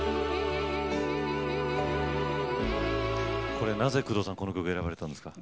これなぜ工藤さんこの曲選ばれたんですか？